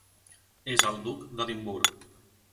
És el duc d'Edimburg.